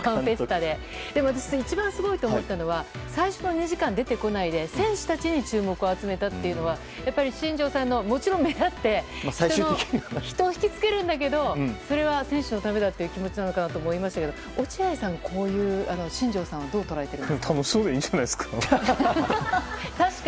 でも私、一番すごいと思ったのは最初の２時間出てこないで選手たちに注目を集めたというのはやっぱり新庄さんももちろん目立って人を引き付けるんだけどそれは選手のためだという気持ちなのかなと思いますけど落合さん、こういう新庄さんをどう捉えてるんですか。